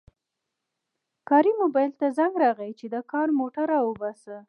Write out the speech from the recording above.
کاري موبایل ته زنګ راغی چې د کار موټر راوباسه